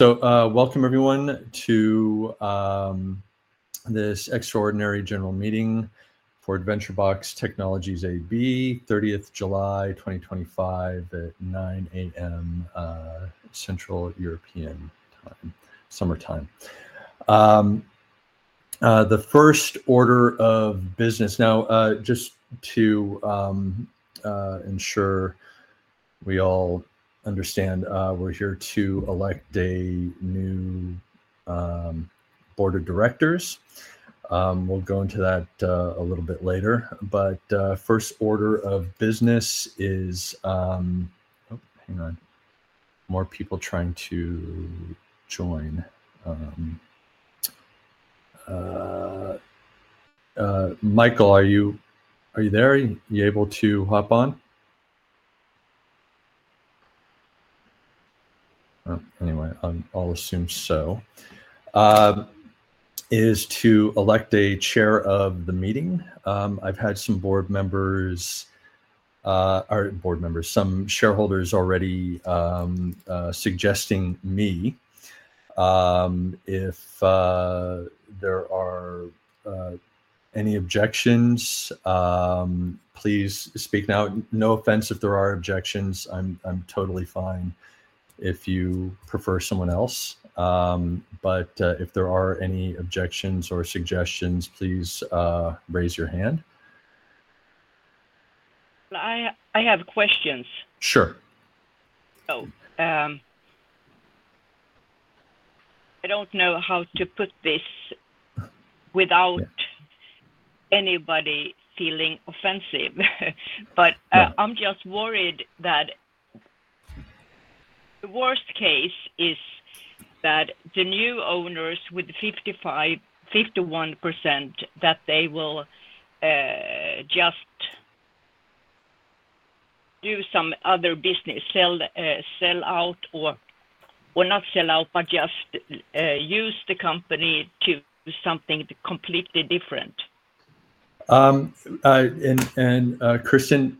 Welcome everyone to this extraordinary general meeting for Adventure Box Technology AB, July 30, 2025, at 9:00 A.M. Central European Time, summertime. The first order of business, just to ensure we all understand, we're here to elect a new board of directors. We'll go into that a little bit later, but the first order of business is—oh, hang on, more people are trying to join. Michael, are you there? Are you able to hop on? Anyway, I'll assume so. The first order of business is to elect a chair of the meeting. I've had some shareholders already suggesting me. If there are any objections, please speak now. No offense if there are objections. I'm totally fine if you prefer someone else. If there are any objections or suggestions, please raise your hand. I have questions. Sure. I don't know how to put this without anybody feeling offensive. I'm just worried that the worst case is that the new owners with the 55%, 51% that they will just do some other business, not sell out, but just use the company to do something completely different. Christian,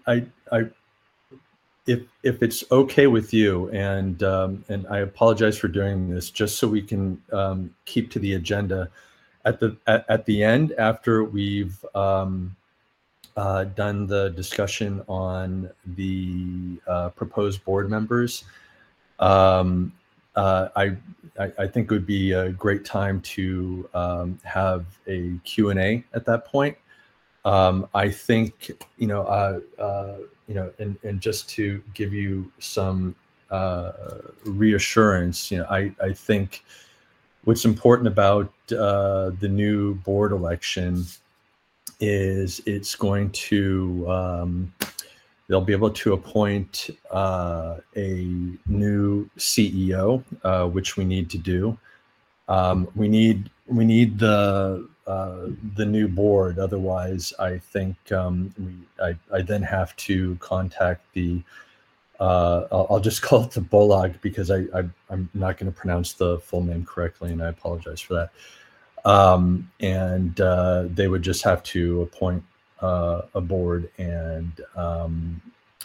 if it's okay with you, and I apologize for doing this, just so we can keep to the agenda, at the end, after we've done the discussion on the proposed board members, I think it would be a great time to have a Q&A at that point. I think, you know, and just to give you some reassurance, I think what's important about the new board election is it's going to, they'll be able to appoint a new CEO, which we need to do. We need the new board. Otherwise, I then have to contact the, I'll just call it the Bullock because I'm not going to pronounce the full name correctly, and I apologize for that. They would just have to appoint a board, and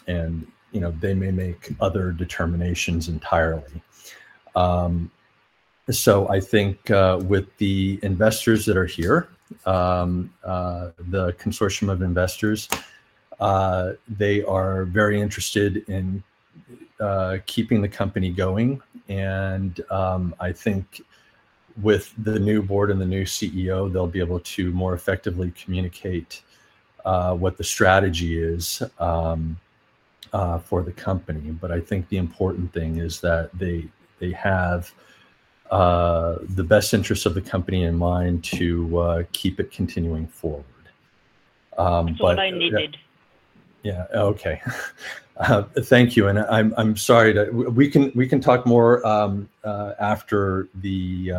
they may make other determinations entirely. I think with the investors that are here, the consortium of investors, they are very interested in keeping the company going. I think with the new board and the new CEO, they'll be able to more effectively communicate what the strategy is for the company. I think the important thing is that they have the best interests of the company in mind to keep it continuing forward. I needed. Okay. Thank you. I'm sorry, we can talk more after the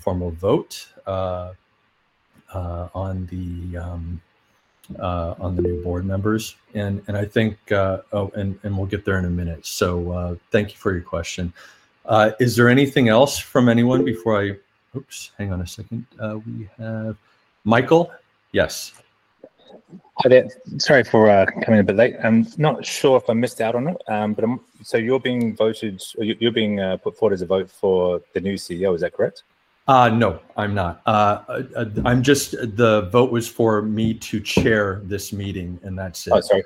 formal vote on the new board members. I think we'll get there in a minute. Thank you for your question. Is there anything else from anyone before I—hang on a second. We have Michal. Yes. Sorry for coming in a bit late. I'm not sure if I missed out on it, but you're being voted, or you're being put forward as a vote for the new CEO. Is that correct? No, I'm not. I'm just, the vote was for me to chair this meeting, and that's it. Oh, sorry.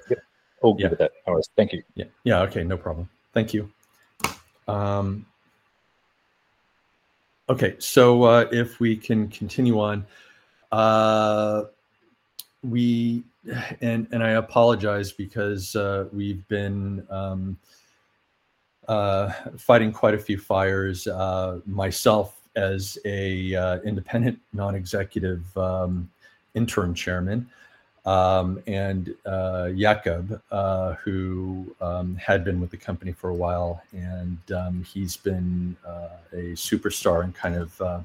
We'll get to that. All right, thank you. Yeah. Yeah. Okay. No problem. Thank you. Okay. If we can continue on, we, and I apologize because we've been fighting quite a few fires myself as an independent non-executive intern Chairman. Yakub, who had been with the company for a while, has been a superstar in kind of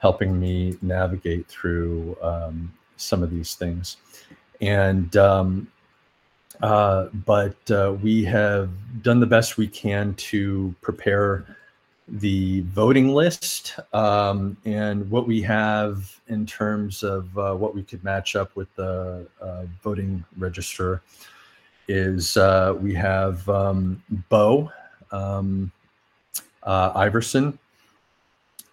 helping me navigate through some of these things. We have done the best we can to prepare the voting list. What we have in terms of what we could match up with the voting register is we have Bo Iverson,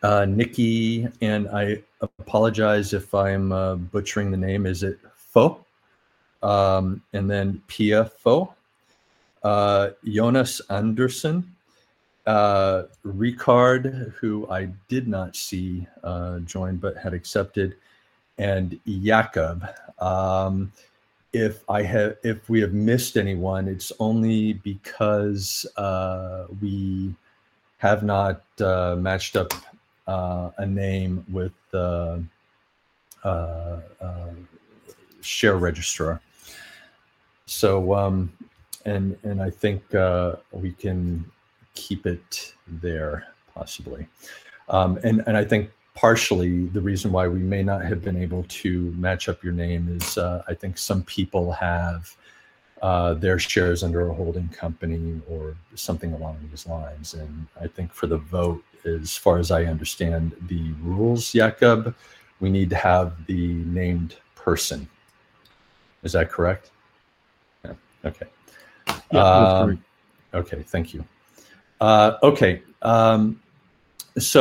Nicky, and I apologize if I'm butchering the name. Is it Faux? Then Pia Faux, Jonas Andersen, Rickard, who I did not see join but had accepted, and Yakub. If we have missed anyone, it's only because we have not matched up a name with the share register. I think we can keep it there, possibly. I think partially the reason why we may not have been able to match up your name is I think some people have their shares under a holding company or something along these lines. I think for the vote, as far as I understand the rules, Yakub, we need to have the named person. Is that correct? Yeah. Okay. That's correct. Okay. Thank you. Okay. Just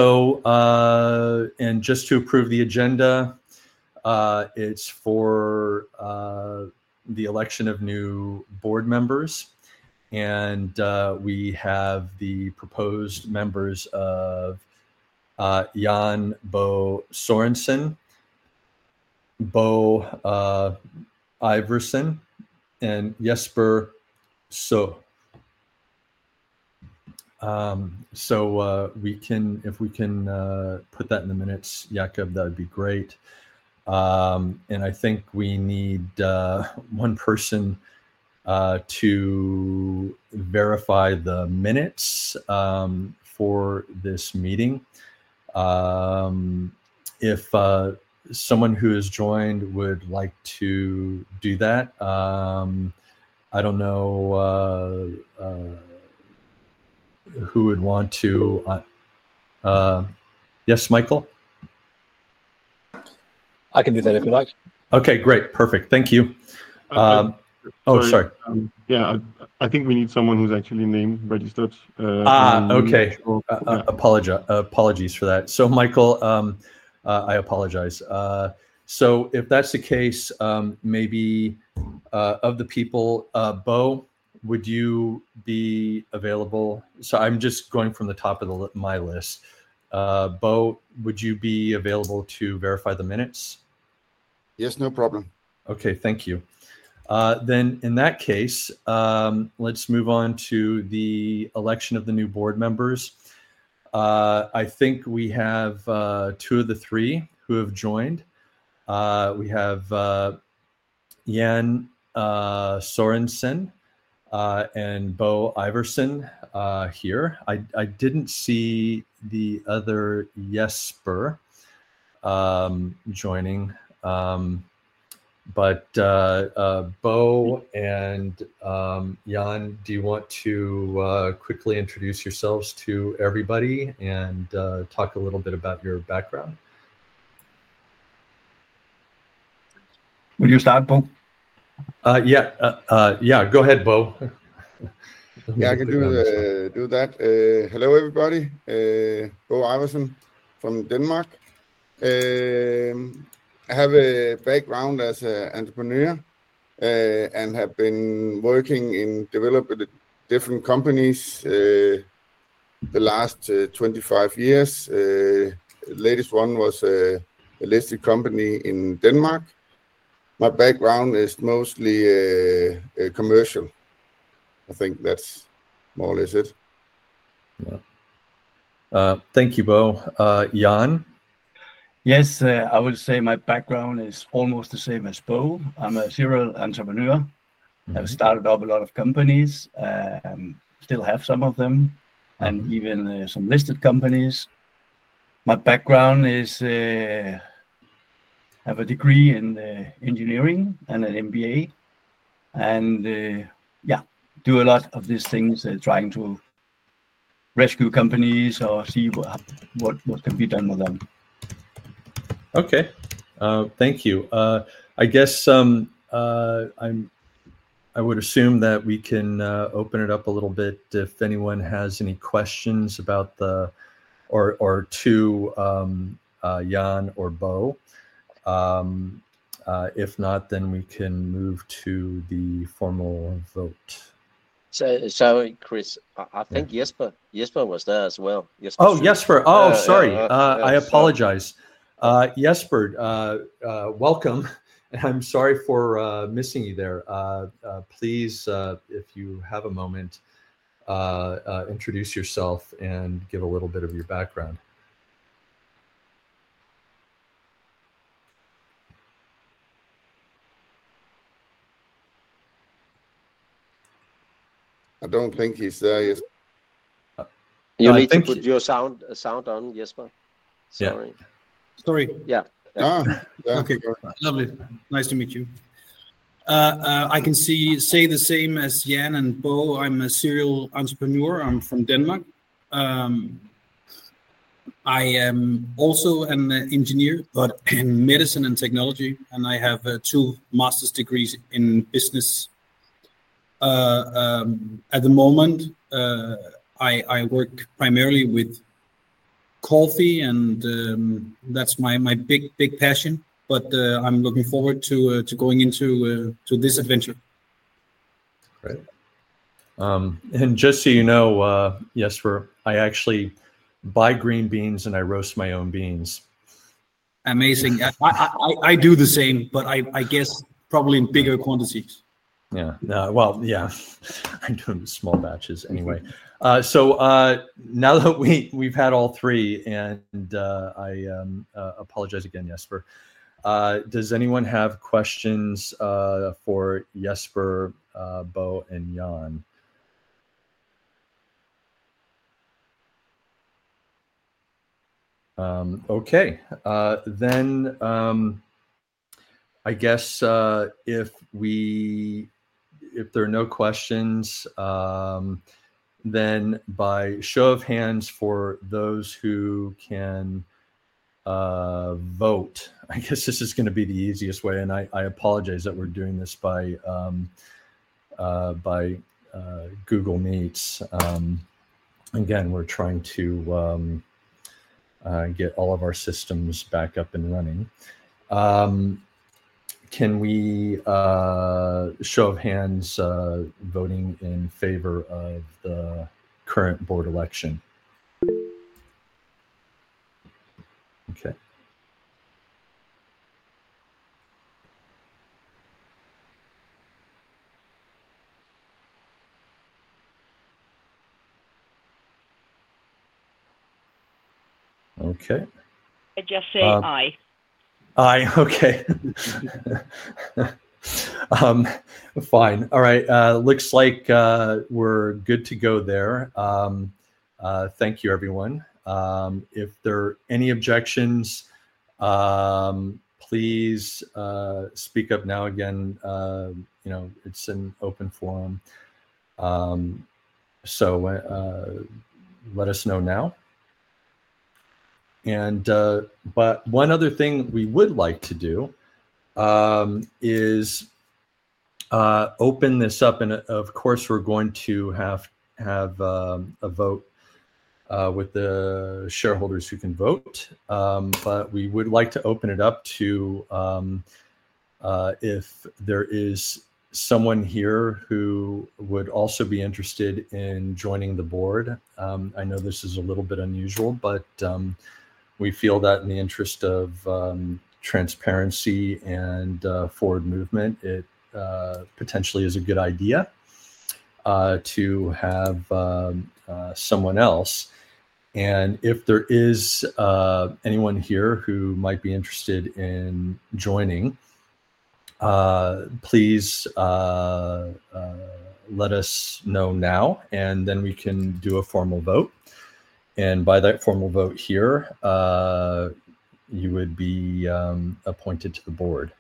to approve the agenda, it's for the election of new board members. We have the proposed members of Jan Sørensen, Bo Iverson, and Jesper Sø. If we can put that in the minutes, Yakub, that would be great. I think we need one person to verify the minutes for this meeting. If someone who has joined would like to do that, I don't know who would want to. Yes, Michael. I can do that if you like. Okay. Great. Perfect. Thank you. Sorry. Yeah, I think we need someone who's actually name registered. Okay. Apologies for that. Michael, I apologize. If that's the case, maybe of the people, Bo, would you be available? I'm just going from the top of my list. Bo, would you be available to verify the minutes? Yes, no problem. Okay. Thank you. In that case, let's move on to the election of the new board members. I think we have two of the three who have joined. We have Jan Sørensen and Bo Iverson here. I didn't see the other Jesper Sø joining. Bo and Jan, do you want to quickly introduce yourselves to everybody and talk a little bit about your background? Would you start, Bo? Yeah, yeah. Go ahead, Bo. Yeah, I can do that. Hello, everybody. Bo Iverson from Denmark. I have a background as an entrepreneur and have been working in developing different companies the last 25 years. The latest one was a listed company in Denmark. My background is mostly commercial. I think that's more or less it. Thank you, Bo. Jan. Yes, I will say my background is almost the same as Bo. I'm a serial entrepreneur. I've started up a lot of companies. I still have some of them and even some listed companies. My background is I have a degree in engineering and an MBA. I do a lot of these things, trying to rescue companies or see what can be done with them. Okay. Thank you. I guess I would assume that we can open it up a little bit if anyone has any questions about the or to Jan or Bo. If not, then we can move to the formal vote. I think Jesper Sø was there as well. Oh, Jesper. Sorry. I apologize. Jesper, welcome. I'm sorry for missing you there. Please, if you have a moment, introduce yourself and give a little bit of your background. I don't think he's there. You need to put your sound on, Jesper. Yeah. Sorry. Yeah. Oh, okay. Lovely. Nice to meet you. I can say the same as Jan and Bo. I'm a serial entrepreneur. I'm from Denmark. I am also an engineer, but in medicine and technology. I have two master's degrees in business. At the moment, I work primarily with coffee, and that's my big, big passion. I'm looking forward to going into this adventure. Great. Just so you know, Jesper, I actually buy green beans and I roast my own beans. Amazing. I do the same, but I guess probably in bigger quantities. Yeah. I do them in small batches anyway. Now that we've had all three, and I apologize again, Jesper, does anyone have questions for Jesper, Bo, and Jan? Okay. If there are no questions, by show of hands for those who can vote, I guess this is going to be the easiest way. I apologize that we're doing this by Google Meet. We're trying to get all of our systems back up and running. Can we show of hands voting in favor of the current board election? Okay. Okay. I guess I. Okay. Fine. All right. Looks like we're good to go there. Thank you, everyone. If there are any objections, please speak up now. You know, it's an open forum, so let us know now. One other thing we would like to do is open this up. Of course, we're going to have a vote with the shareholders who can vote. We would like to open it up to if there is someone here who would also be interested in joining the board. I know this is a little bit unusual, but we feel that in the interest of transparency and forward movement, it potentially is a good idea to have someone else. If there is anyone here who might be interested in joining, please let us know now, and then we can do a formal vote. By that formal vote here, you would be appointed to the board.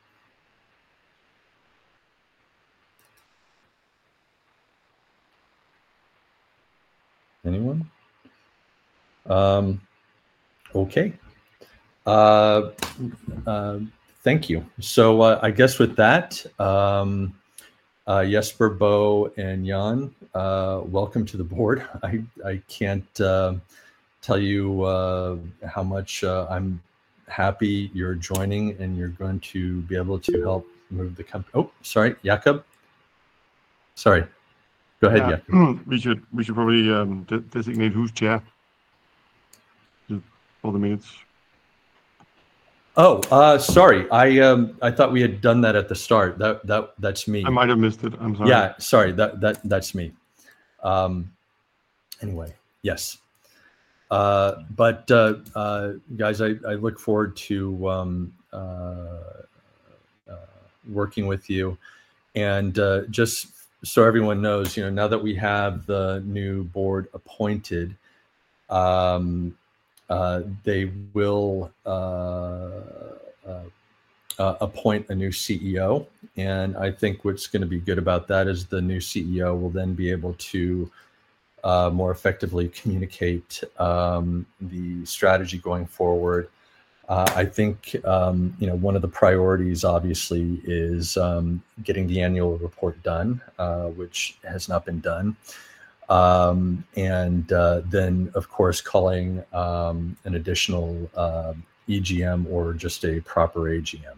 Anyone? Okay. Thank you. I guess with that, Jesper, Bo, and Jan, welcome to the board. I can't tell you how much I'm happy you're joining and you're going to be able to help move the company. Oh, sorry. Yakub? Sorry. Go ahead, Yakub. We should probably designate who's Chair for the minutes. Sorry. I thought we had done that at the start. That's me. I might have missed it. I'm sorry. Sorry. That's me. Anyway, yes. I look forward to working with you. Just so everyone knows, now that we have the new board appointed, they will appoint a new CEO. I think what's going to be good about that is the new CEO will then be able to more effectively communicate the strategy going forward. I think one of the priorities, obviously, is getting the annual report done, which has not been done. Of course, calling an additional EGM or just a proper AGM is also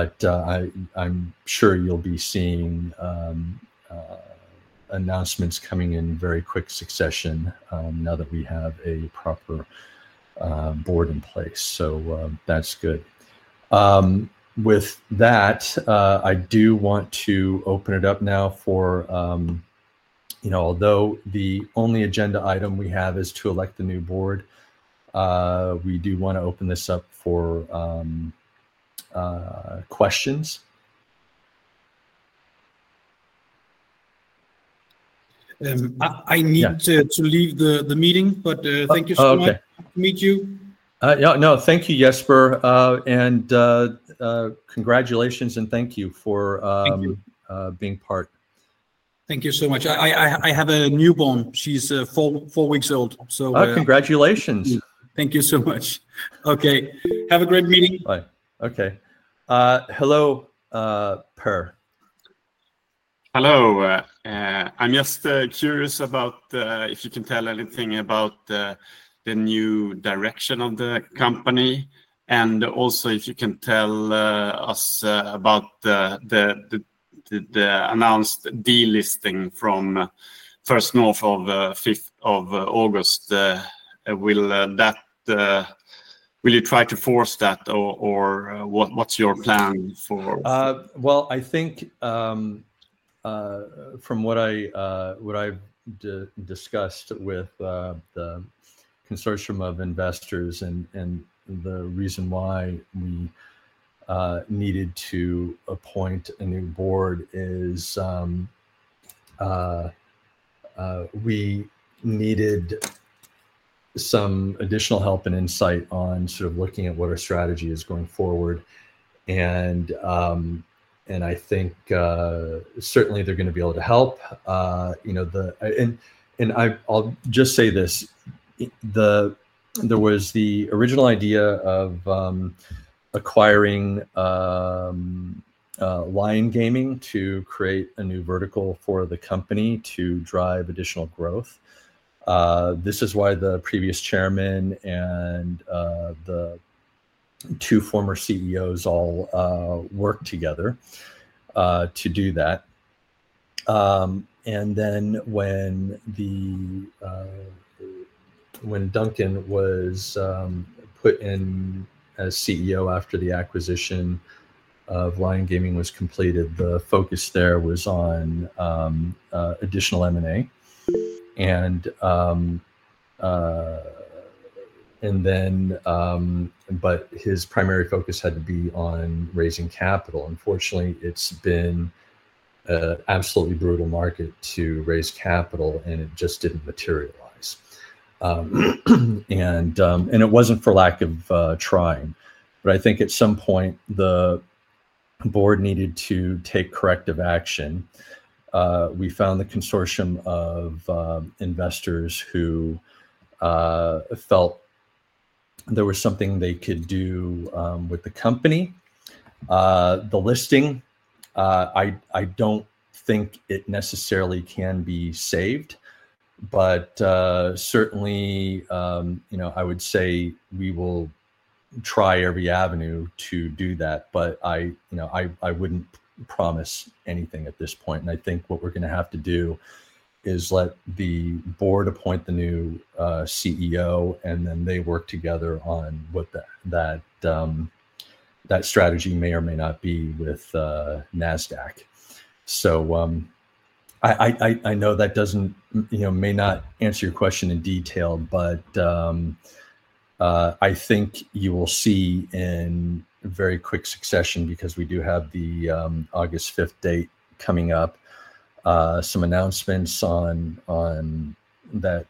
a priority. I'm sure you'll be seeing announcements coming in very quick succession now that we have a proper board in place. That's good. With that, I do want to open it up now for questions, although the only agenda item we have is to elect the new board. I need to leave the meeting, but thank you so much. Meet you. Yeah, no, thank you, Jesper. Congratulations and thank you for being part. Thank you so much. I have a newborn. She's four weeks old. Congratulations. Thank you so much. Okay, have a great meeting. Bye. Okay, hello, Per. Hello, I'm just curious if you can tell anything about the new direction of the company and also if you can tell us about the announced de-listing from Nasdaq First North on August 5. Will you try to force that, or what's your plan for it? I think, from what I've discussed with the consortium of investors and the reason why we needed to appoint a new board is we needed some additional help and insight on sort of looking at what our strategy is going forward. I think certainly they're going to be able to help. I'll just say this. There was the original idea of acquiring Lion Gaming to create a new vertical for the company to drive additional growth. This is why the previous Chairman and the two former CEOs all worked together to do that. When Duncan was put in as CEO after the acquisition of Lion Gaming was completed, the focus there was on additional M&A, and then his primary focus had to be on raising capital. Unfortunately, it's been an absolutely brutal market to raise capital, and it just didn't materialize. It wasn't for lack of trying. At some point, the board needed to take corrective action. We found the consortium of investors who felt there was something they could do with the company. The listing, I don't think it necessarily can be saved. Certainly, I would say we will try every avenue to do that. I wouldn't promise anything at this point. I think what we're going to have to do is let the board appoint the new CEO, and then they work together on what that strategy may or may not be with Nasdaq. I know that doesn't, you know, may not answer your question in detail, but I think you will see in very quick succession because we do have the August 5th date coming up, some announcements on that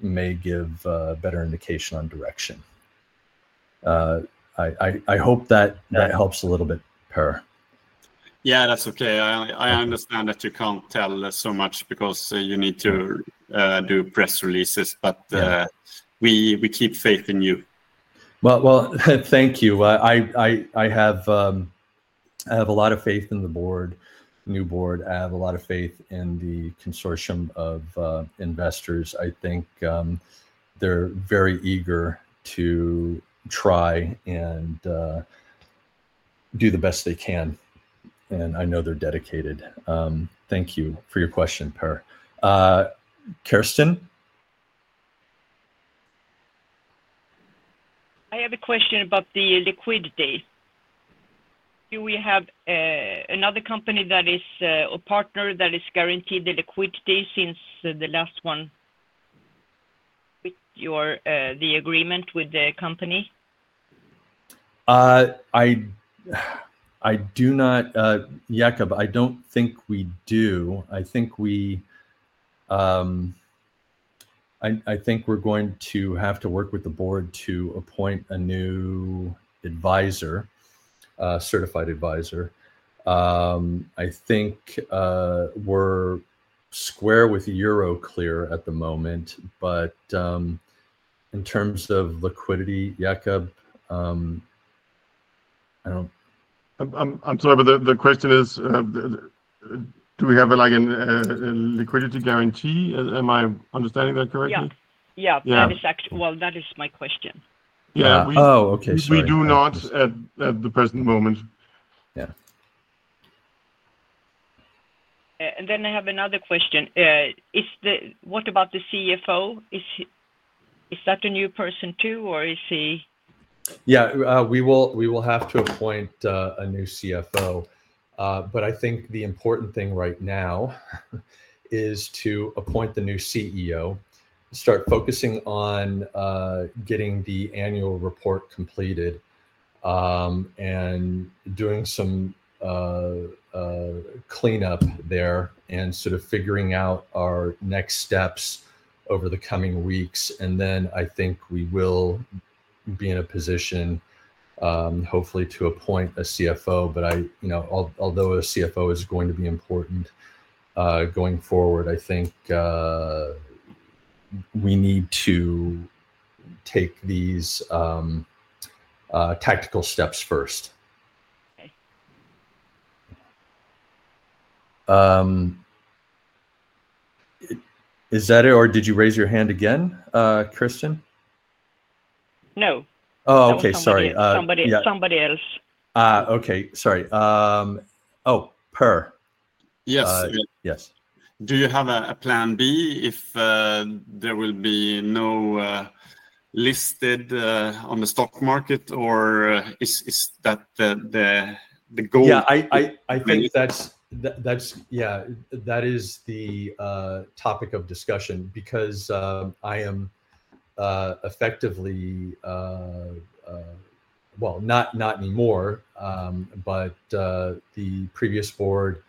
may give a better indication on direction. I hope that that helps a little bit, Per. Yeah, that's okay. I understand that you can't tell so much because you need to do press releases, but we keep faith in you. Thank you. I have a lot of faith in the board, the new board. I have a lot of faith in the consortium of investors. I think they're very eager to try and do the best they can. I know they're dedicated. Thank you for your question, Per. Kirsten? I have a question about the liquidity. Do we have another company that is a partner that is guaranteed the liquidity since the last one with the agreement with the company? I do not, Yakub, I don't think we do. I think we're going to have to work with the board to appoint a new certified advisor. I think we're square with EuroClear at the moment. In terms of liquidity, Yakub, I don't know. I'm sorry, but the question is, do we have a liquidity guarantee? Am I understanding that correctly? Yeah, yeah, that is my question. Yeah. Okay. We do not at the present moment. Yeah. I have another question. What about the CFO? Is that a new person too, or is he? Yeah. We will have to appoint a new CFO. I think the important thing right now is to appoint the new CEO, start focusing on getting the annual report completed, doing some cleanup there, and sort of figuring out our next steps over the coming weeks. I think we will be in a position, hopefully, to appoint a CFO. Although a CFO is going to be important going forward, I think we need to take these tactical steps first. Is that it, or did you raise your hand again, Kirsten? No. Oh, okay. Sorry. It's somebody else. Okay. Sorry. Oh, Per. Yes. Yes. Do you have a plan B if there will be no listing on the stock market, or is that the goal? Yeah, I think that is the topic of discussion because I am effectively, not anymore, but the previous board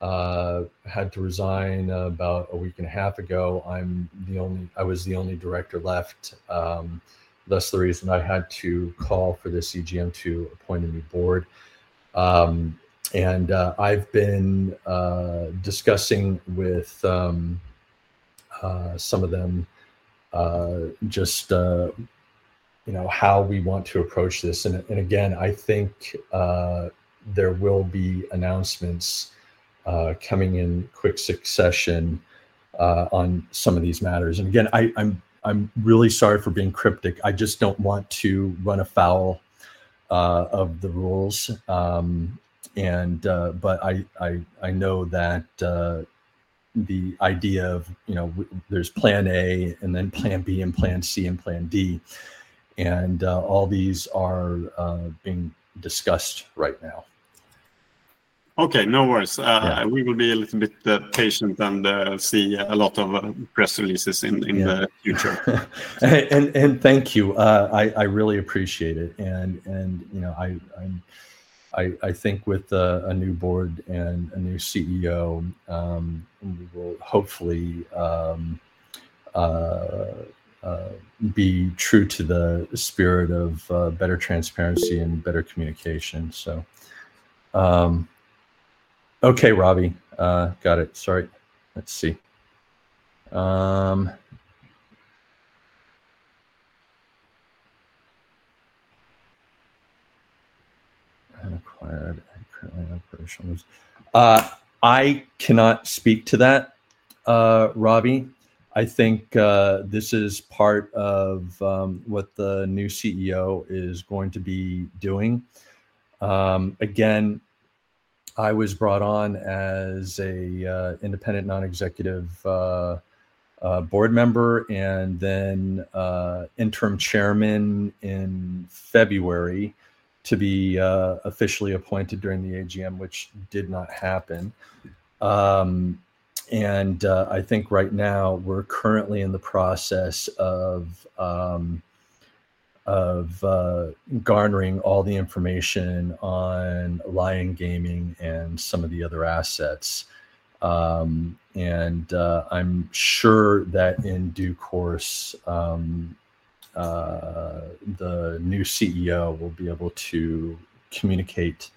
had to resign about a week and a half ago. I was the only director left. That's the reason I had to call for this EGM to appoint a new board. I've been discussing with some of them just how we want to approach this. I think there will be announcements coming in quick succession on some of these matters. I'm really sorry for being cryptic. I just don't want to run afoul of the rules. I know that the idea of, you know, there's plan A, and then plan B, and plan C, and plan D, and all these are being discussed right now. Okay, no worries. We will be a little bit patient and see a lot of press releases in the future. Thank you. I really appreciate it. I think with a new board and a new CEO, we will hopefully be true to the spirit of better transparency and better communication. Okay, Robbie. Got it. Sorry. Let's see. I'm currently not. I cannot speak to that, Robbie. I think this is part of what the new CEO is going to be doing. I was brought on as an independent non-executive board member and then Interim Chairman in February to be officially appointed during the AGM, which did not happen. I think right now we're currently in the process of garnering all the information on Lion Gaming and some of the other assets. I'm sure that in due course, the new CEO will be able to communicate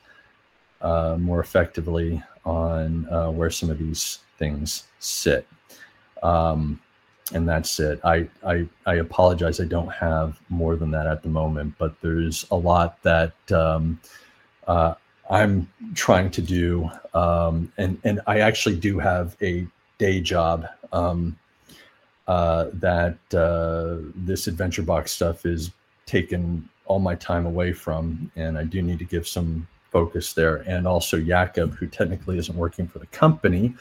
more effectively on where some of these things sit. That's it. I apologize. I don't have more than that at the moment, but there's a lot that I'm trying to do. I actually do have a day job that this Adventure Box stuff is taking all my time away from, and I do need to give some focus there. Also, Yakub, who technically isn't working for the company,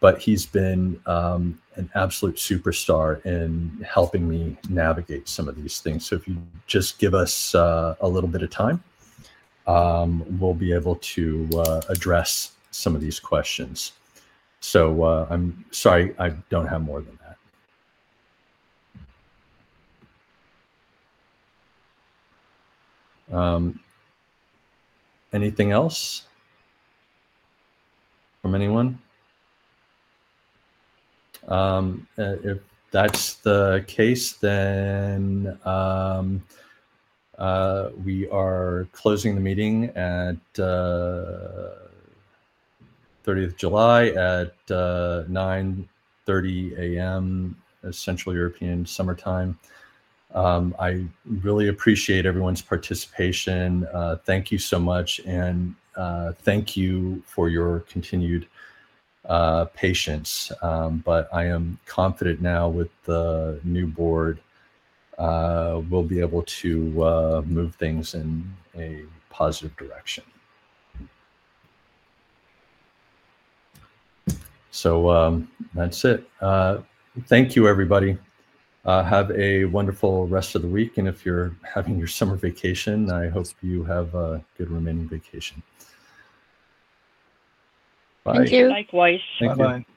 but he's been an absolute superstar in helping me navigate some of these things. If you just give us a little bit of time, we'll be able to address some of these questions. I'm sorry, I don't have more than that. Anything else from anyone? If that's the case, then we are closing the meeting at 30th July at 9:30 A.M. Central European Summer Time. I really appreciate everyone's participation. Thank you so much. Thank you for your continued patience. I am confident now with the new board, we'll be able to move things in a positive direction. That's it. Thank you, everybody. Have a wonderful rest of the week. If you're having your summer vacation, I hope you have a good remaining vacation. Bye. Thank you. Likewise. Thank you. Bye-bye.